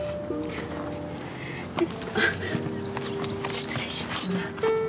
失礼しました。